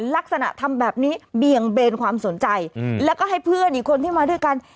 ลักษณะทำแบบนี้เบี่ยงเบนความสนใจแล้วก็ให้เพื่อนอีกคนที่มาด้วยกัน